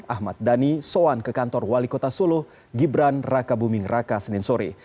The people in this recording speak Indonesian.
ahmad dhani soan ke kantor wali kota solo gibran raka buming raka senin sore